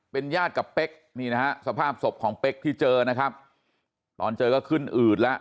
เป็นญาติกับเป๊กนี่นะฮะสภาพศพของเป๊กที่เจอนะครับตอนเจอก็ขึ้นอืดแล้ว